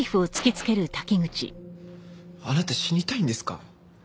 あなた死にたいんですか？